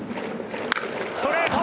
ストレート。